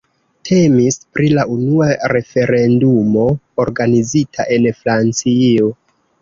Temis pri la unua referendumo organizita en Francio.